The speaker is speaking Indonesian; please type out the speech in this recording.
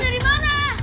lu dari mana